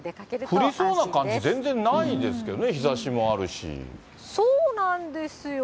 降りそうな感じ、全然ないですけどね、そうなんですよ。